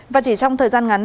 và chỉ trong thời gian ngắn